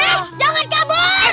eh jangan kabur